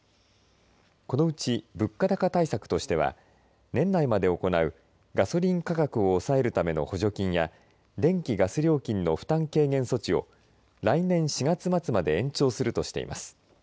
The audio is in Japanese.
このうち物価高対策としては年内まで行うガソリン価格を抑えるための補助金や電気、ガス料金の負担軽減措置を来年４月末まで延長するとしています。